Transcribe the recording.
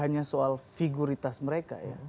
hanya soal figuritas mereka ya